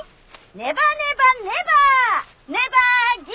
ネバネバネバーネバーギブアップ！